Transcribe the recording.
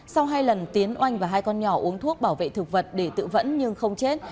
sau hai lần tiến oanh và hai con nhỏ uống thuốc bảo vệ thực vật để tự vẫn nhưng không chết